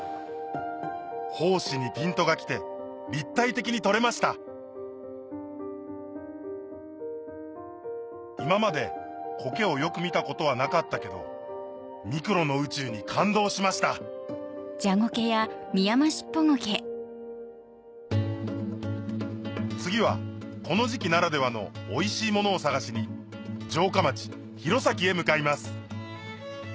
胞子にピントが来て立体的に撮れました今まで苔をよく見たことはなかったけどミクロの宇宙に感動しました次はこの時期ならではのおいしいものを探しに城下町弘前へ向かいます